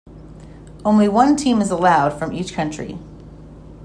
Only one team is allowed from each country.